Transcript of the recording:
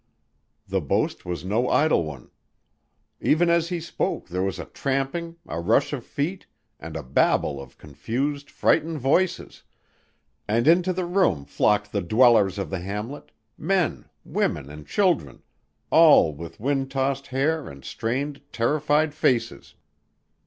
The boast was no idle one. Even as he spoke there was a tramping, a rush of feet, and a babel of confused, frightened voices, and into the room flocked the dwellers of the hamlet, men, women, and children, all with wind tossed hair and strained, terrified faces.